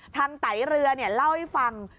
ทางไตรเรือเนี่ยเล่าให้ฟัง